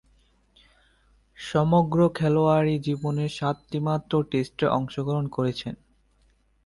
সমগ্র খেলোয়াড়ী জীবনে সাতটিমাত্র টেস্টে অংশগ্রহণ করেছেন।